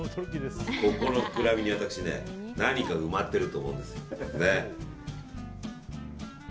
ここの膨らみに私ね何か埋まっていると思うんですよ。ね。